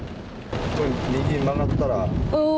右へ曲がったら。